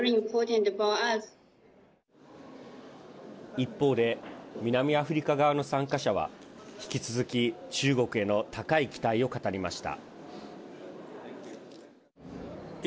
一方で南アフリカ側の参加者は引き続き中国への高い期待を語りました。